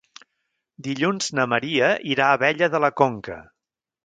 Dilluns na Maria irà a Abella de la Conca.